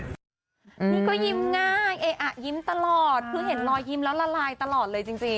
นี่ก็ยิ้มง่ายเออะยิ้มตลอดคือเห็นรอยยิ้มแล้วละลายตลอดเลยจริง